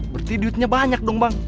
berarti duitnya banyak dong bang